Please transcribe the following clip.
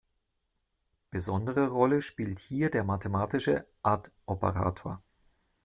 Besondere Rolle spielt hier der mathematische ad-Operator.